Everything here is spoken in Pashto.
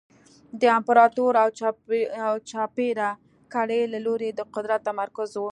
د امپراتور او چاپېره کړۍ له لوري د قدرت تمرکز و